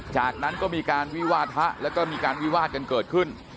จากนั้นก็มีการวิวาทะแล้วก็มีการวิวาดกันเกิดขึ้น